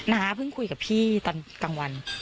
เพิ่งคุยกับพี่ตอนกลางวัน